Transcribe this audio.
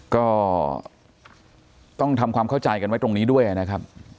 ก็ต้องทำความเข้าใจกันไว้ตรงนี้ด้วยนะครับ